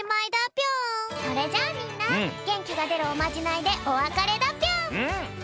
それじゃあみんなげんきがでるおまじないでおわかれだぴょん！